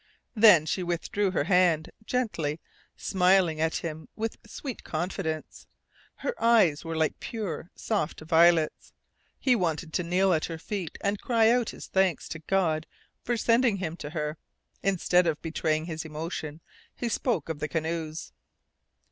Then she withdrew her hand, gently, smiling at him with sweet confidence. Her eyes were like pure, soft violets. He wanted to kneel at her feet, and cry out his thanks to God for sending him to her. Instead of betraying his emotion, he spoke of the canoes.